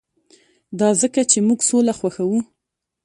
دا ځکه چې موږ سوله خوښوو